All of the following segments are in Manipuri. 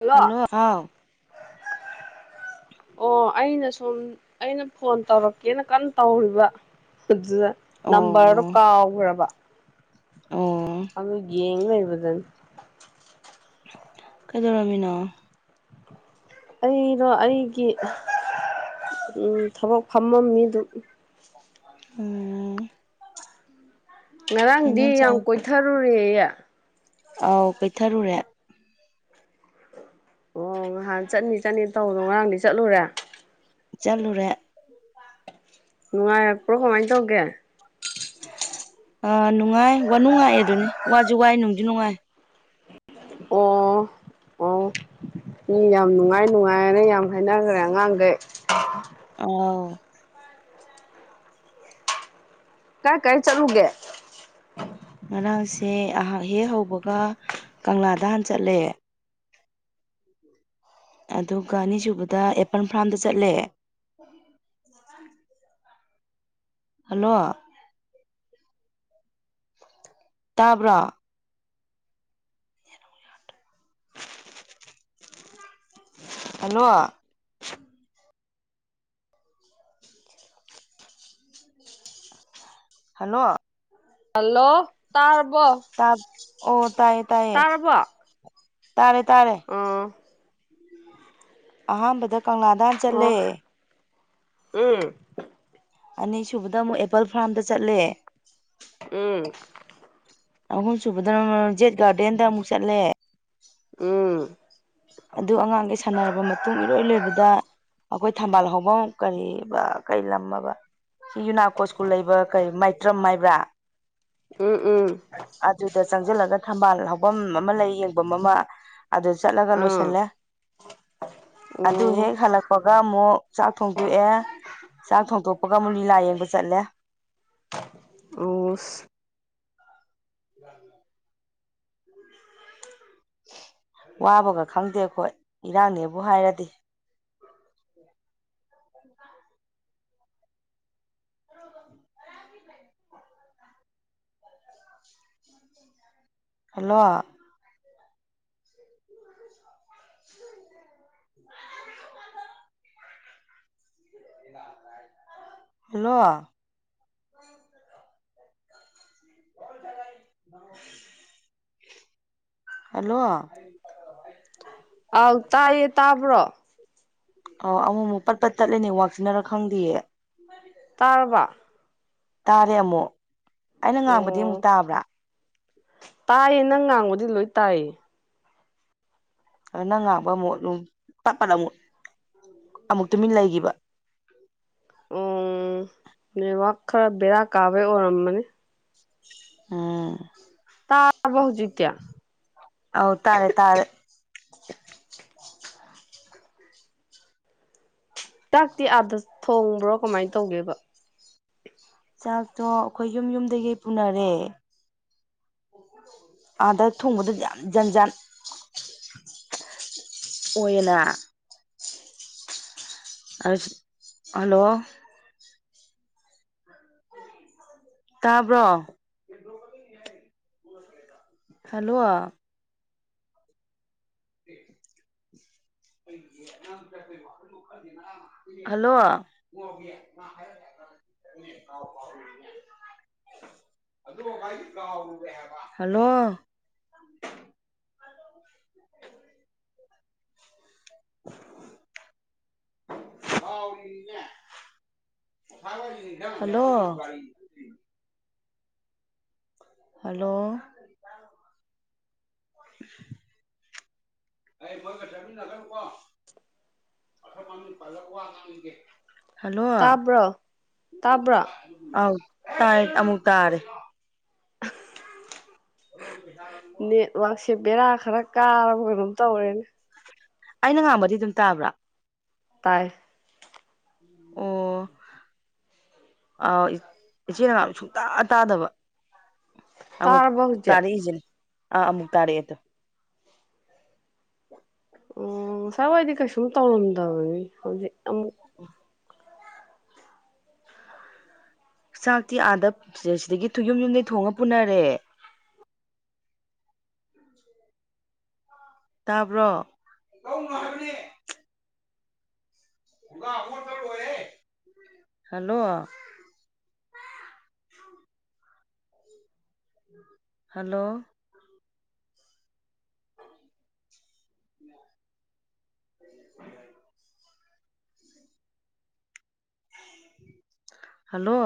ꯍꯜꯂꯣ ꯑꯣ ꯑꯩꯅ ꯁꯨꯝ ꯑꯩꯅ ꯐꯣꯟ ꯇꯧꯔꯛꯀꯦꯅ ꯀꯟꯅ ꯇꯧꯔꯤꯕ ꯑꯗꯨꯗ ꯅꯝꯕꯔꯗꯣ ꯑꯣ ꯀꯥꯎꯈ꯭ꯔꯕ ꯑꯣ ꯑꯗꯨ ꯌꯦꯡ ꯂꯩꯕꯗꯅꯦ ꯀꯩꯗꯧꯔꯝꯃꯤꯅꯣ ꯑꯩꯩꯗꯣ ꯑꯩꯒꯤ ꯑꯝ ꯊꯕꯛ ꯐꯝꯃꯝ ꯃꯤ ꯑꯗꯨꯝ ꯎꯝ ꯉꯔꯥꯡꯗꯤ ꯀꯩꯖꯥꯡ ꯌꯥꯝ ꯆꯥꯏ ꯀꯣꯏꯊꯔꯨꯔꯦꯌꯦ ꯑꯥꯎ ꯀꯣꯢꯊꯔꯨꯔꯦ ꯑꯣ ꯅꯍꯥꯟ ꯆꯠꯅꯤ ꯆꯠꯅꯤ ꯇꯧꯕꯗꯣ ꯉꯔꯥꯡꯗꯤ ꯆꯠꯂꯨꯔꯦ ꯆꯠꯂꯨꯔꯦ ꯎ ꯅꯨꯡꯉꯥꯏꯔꯛꯄ꯭ꯔꯣ ꯀꯃꯥꯏꯅ ꯇꯧꯒꯦ ꯑꯥ ꯅꯨꯡꯉꯥꯏ ꯋꯥ ꯅꯨꯡꯉꯥꯏ ꯑꯗꯨꯅꯤ ꯋꯥꯁꯨ ꯋꯥꯏ ꯅꯨꯡꯁꯨ ꯅꯨꯡꯉꯥꯏ ꯑꯣ ꯑꯣ ꯃꯤ ꯌꯥꯝ ꯅꯨꯡꯉꯥꯏ ꯅꯨꯡꯉꯥꯏꯅ ꯌꯥꯝ ꯍꯥꯏꯅꯈ꯭ꯔꯦ ꯑꯉꯥꯡꯗꯩ ꯑ ꯑꯣ ꯀꯥꯏ ꯀꯥꯏ ꯆꯠꯂꯨꯒꯦ ꯉꯔꯥꯡꯁꯦ ꯑꯩꯍꯥꯛ ꯍꯦꯛ ꯍꯧꯕꯒ ꯀꯪꯂꯥꯗꯍꯥꯟ ꯆꯠꯂꯦ ꯎ ꯑꯗꯨꯒ ꯑꯅꯤꯁꯨꯕꯗ ꯑꯦꯄꯜ ꯐꯥꯔꯝꯗ ꯆꯠꯂꯦ ꯍꯜꯂꯣ ꯇꯥꯕ꯭ꯔꯣ ꯍꯜꯂꯣ ꯍꯜꯂꯣ ꯍꯜꯂꯣ ꯇꯥꯔꯕꯣ ꯇꯥ ꯑꯣ ꯇꯥꯏ ꯇꯥꯔꯕꯣ ꯇꯥꯔꯦ ꯇꯥꯔꯦ ꯑꯣ ꯑꯍꯥꯟꯕꯗ ꯀꯪꯂꯥꯗ ꯑꯣ ꯆꯠꯂꯦ ꯎꯝ ꯑꯅꯤꯁꯨꯕꯗ ꯑꯃꯨꯛ ꯑꯦꯄꯜ ꯐꯥꯔꯝꯗ ꯆꯠꯂꯦ ꯎꯝ ꯑꯍꯨꯝ ꯁꯨꯕꯗ ꯅ ꯖꯦꯠ ꯒꯥꯔꯗꯦꯟꯗ ꯑꯃꯨꯛ ꯆꯠꯂꯦ ꯎꯝ ꯑꯗꯨ ꯑꯉꯥꯡꯈꯩ ꯁꯥꯟꯅꯔꯕ ꯃꯇꯨꯡ ꯏꯔꯣꯏ ꯂꯣꯏꯕꯗ ꯑꯩꯈꯣꯏ ꯊꯝꯕꯥꯜ ꯍꯐꯝ ꯀ ꯀꯩ ꯂꯝꯃꯕ ꯁꯤ ꯌꯨꯅꯥꯀꯣ ꯁ꯭ꯀꯨꯜ ꯂꯩꯕ ꯀꯩ ꯃꯥꯏꯇ꯭ꯔꯝ ꯍꯥꯏꯕ꯭ꯔꯥ ꯎꯝ ꯎꯝ ꯑꯗꯨꯗ ꯆꯪꯁꯤꯜꯂꯒ ꯊꯝꯕꯥꯜ ꯍꯐꯝ ꯑꯃ ꯂꯩ ꯌꯦꯡꯐꯝ ꯑꯃ ꯑꯗꯨ ꯆꯠꯂꯒ ꯂꯣꯏꯁꯤ ꯑꯥ ꯂ ꯑꯣ ꯑꯗꯨ ꯍꯦ ꯍꯂꯛ ꯄꯒ ꯑꯃꯨꯛ ꯆꯥꯛ ꯊꯣꯡꯗꯣꯛꯑꯦ ꯆꯥꯛ ꯊꯣꯡꯗꯣꯛꯄꯒ ꯑꯃꯨꯛ ꯂꯤꯂꯥ ꯌꯦꯡꯕ ꯆꯠꯂꯦ ꯑꯣ ꯎ ꯋꯥꯕꯒ ꯈꯪꯗꯦ ꯑꯩꯈꯣꯏ ꯏꯔꯥꯡꯅꯦꯕꯨ ꯍꯥꯏꯔꯗꯤ ꯎ [inaudible] ꯍꯜꯂꯣ ꯍꯜꯂꯣ ꯍꯜꯂꯣ ꯑꯥꯎ ꯇꯥꯏꯌꯦ ꯇꯥꯕ꯭ꯔꯣ ꯑꯣ ꯑꯃꯨ ꯑꯃꯨꯛ ꯄꯠꯄꯠ ꯇꯠꯂꯦꯅꯦ ꯋꯥꯛꯁꯤꯟꯅꯔ ꯈꯪꯗꯦꯌꯦ ꯇꯥꯔꯕꯥ ꯇꯥꯔꯦ ꯑꯃꯨꯛ ꯑꯩꯅ ꯉꯥꯡꯕꯗꯤ ꯑꯃꯨꯛ ꯑꯣ ꯇꯥꯕ꯭ꯔꯥ ꯇꯥꯏꯌꯦ ꯅꯪ ꯉꯥꯡꯕꯗꯤ ꯂꯣꯏ ꯇꯥꯏꯌꯦ ꯑꯗꯨ ꯅꯪ ꯉꯥꯡꯕ ꯑꯃꯨꯛ ꯇꯞꯄꯗ ꯑꯃꯨꯛ ꯑꯃꯨꯛ ꯇꯨꯃꯤꯟ ꯂꯩꯈꯤꯕ ꯑꯣ ꯅꯦꯠꯋꯥꯛ ꯈꯔ ꯕꯦꯔꯥ ꯀꯥꯕꯩ ꯑꯣꯏꯔꯝꯕꯅꯤ ꯎꯝ ꯇꯥꯕ ꯍꯧꯖꯤꯛꯇꯤ ꯑꯧ ꯇꯥꯔꯦ ꯇꯥꯔꯦ ꯆꯥꯛꯇꯤ ꯑꯥꯗ ꯊꯣꯡꯕ꯭ꯔꯣ ꯀꯃꯥꯏꯅ ꯇꯧꯒꯦꯕ ꯆꯥꯛꯇꯣ ꯑꯩꯈꯣꯏ ꯌꯨꯝ ꯌꯨꯝꯗꯒꯤ ꯄꯨꯅꯔꯦ ꯑꯥꯗ ꯊꯣꯡꯕꯗ ꯌꯥꯝ ꯖꯟ ꯖꯥꯟ ꯑꯣꯏꯅꯅ ꯍꯜꯂꯣ ꯇꯥꯕ꯭ꯔꯣ hello [inaudible] hello hello [inaudible] [unintelligible] hello hello [inaudible] [inaudible] ꯑꯩ ꯃꯣꯏꯒ ꯆꯠꯃꯤꯟꯅꯒꯅꯨꯀꯣꯃꯁꯤ ꯃꯃꯤꯟ ꯄꯜꯂꯒꯥ ꯋꯥ ꯉꯥꯡꯅꯤꯡꯒꯦ ꯍꯜꯂꯣ ꯇꯥꯕ꯭ꯔꯣ ꯇꯥꯕ꯭ꯔꯣ ꯑꯣ ꯇꯥꯏ ꯑꯃꯨꯛ ꯇꯥꯔꯦ [inaudible] ꯅꯦꯠꯋꯥꯛꯁꯦ ꯕꯦꯔꯥ ꯈꯔ ꯀꯥꯔꯕ ꯀꯩꯅꯣꯝ ꯇꯧꯔꯦꯅꯦ ꯑꯩꯅ ꯉꯥꯡꯕꯗꯤ ꯑꯗꯨꯝ ꯇꯥꯕ꯭ꯔꯥ ꯇꯥꯏ ꯑꯣ ꯑ ꯏꯆꯦꯅ ꯉꯥꯡꯕ ꯁꯨꯡꯇꯥ ꯇꯥꯗꯕ ꯑꯃꯨꯛ ꯇꯥꯔꯕ ꯍꯧꯖꯤꯛ ꯇꯥꯔꯛꯏꯁꯤꯅꯦ ꯑꯥ ꯑꯃꯨꯛ ꯇꯥꯔꯛꯑꯦ ꯇꯨ ꯎ ꯉꯁꯥꯏꯋꯥꯏꯗꯤ ꯀꯩꯁꯨꯝ ꯇꯧꯔꯝꯗꯕꯅꯤ ꯍꯧꯖꯤꯛ ꯑꯃꯨꯛ [inaudible] ꯆꯥꯛꯇꯤ ꯑꯥꯗ ꯁꯤꯗꯒꯤ ꯊꯨ ꯌꯨꯝ ꯌꯨꯝꯗꯩ ꯊꯣꯡꯉ ꯄꯨꯅꯔꯦ ꯇꯥꯕ꯭ꯔꯣ ꯍꯜꯂꯣ ꯍꯜꯂꯣ [inaudible] ꯍꯜꯂꯣ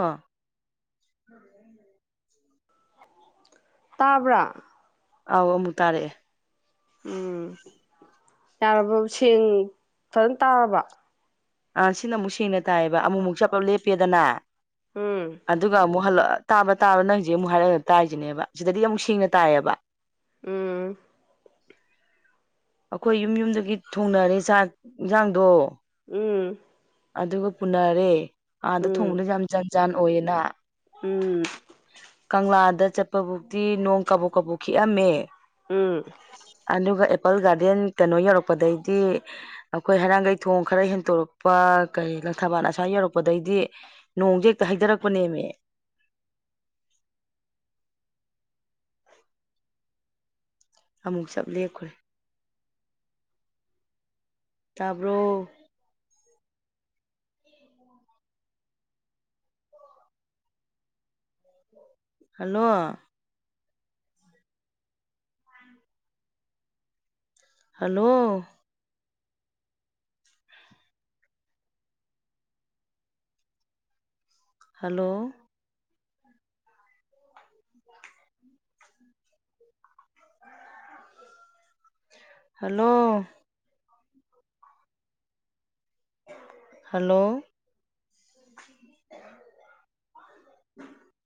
[inaudible] ꯇꯥꯕ꯭ꯔꯥ ꯑꯥꯎ ꯑꯃꯨꯛ ꯇꯥꯔꯛꯑꯦ ꯎꯝ ꯌꯥꯔꯕ ꯁꯦꯡ ꯐꯖꯅ ꯇꯥꯔꯕ ꯑꯥ ꯁꯤꯅ ꯑꯃꯨꯛ ꯁꯦꯡꯅ ꯇꯥꯏꯌꯦꯕ ꯑꯃꯨꯛꯃꯨꯛ ꯆꯞꯄ ꯂꯦꯞꯄꯦꯗꯅ ꯎꯝ ꯑꯗꯨꯒ ꯑꯃꯨꯛ ꯍꯜꯂꯛꯑ ꯇꯥꯕ ꯇꯥꯕ ꯅꯪ ꯍꯧꯖꯤꯛ ꯑꯃꯨꯛ ꯍꯥꯏꯔꯛꯑ ꯇꯥꯏꯔꯤꯁꯤꯅꯦꯕ ꯁꯤꯗꯗꯤ ꯑꯃꯨꯛ ꯁꯦꯡꯅ ꯇꯥꯏꯌꯦꯕ ꯎꯝ ꯑꯩꯈꯣꯏ ꯌꯨꯝ ꯌꯨꯝꯗꯒꯤ ꯊꯣꯡꯅꯔꯦ ꯆꯥꯛ ꯌꯦꯟꯁꯥꯡꯗꯣ ꯎꯝ ꯑꯗꯨꯒ ꯄꯨꯅꯔꯦ ꯑꯥꯗ ꯎꯝ ꯊꯣꯡꯕꯗꯁꯨ ꯌꯥꯝ ꯖꯟ ꯖꯥꯟ ꯑꯣꯏꯌꯦꯅ ꯎꯝ ꯀꯪꯂꯥꯗ ꯆꯠꯄꯕꯨꯛꯇꯤ ꯅꯣꯡ ꯀꯕꯣꯛ ꯀꯕꯣꯛ ꯈꯤꯛꯑꯝꯃꯦ ꯎꯝ ꯑꯗꯨꯒ ꯑꯦꯄꯜ ꯒꯥꯔꯗꯦꯟ ꯀꯩꯅꯣ ꯌꯧꯔꯛꯄꯗꯩꯗꯤ ꯑꯩꯈꯣꯏ ꯍꯩꯔꯥꯡꯒꯩ ꯊꯣꯡ ꯈꯔ ꯍꯦꯟꯇꯣꯔꯛꯄ ꯀꯩ ꯂꯪꯊꯕꯥꯟ ꯑꯁ꯭ꯋꯥ ꯌꯧꯔꯛꯄꯗꯩꯗꯤ ꯅꯣꯡꯖꯦ ꯍꯦꯛꯇ ꯍꯩꯊꯔꯛꯄꯅꯦꯃꯦ ꯑꯃꯨꯛ ꯆꯞ ꯂꯦꯞꯈ꯭ꯔꯦ ꯇꯥꯕ꯭ꯔꯣ hello hello hello hello hello [inaudible]